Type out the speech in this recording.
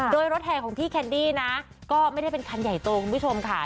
โดยรถแห่ของพี่แคนดี้นะก็ไม่ได้เป็นคันใหญ่โตคุณผู้ชมค่ะ